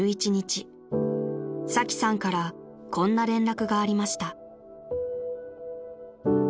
［サキさんからこんな連絡がありました］